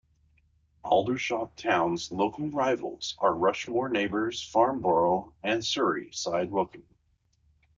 Aldershot Town's local rivals are Rushmoor neighbours Farnborough and Surrey side Woking.